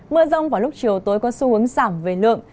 mưa rông vào lúc chiều tối có xu hướng giảm về lượng